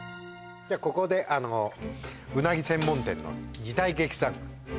ここでうなぎ専門店の２大激戦区